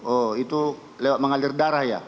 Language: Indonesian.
oh itu lewat mengalir darah ya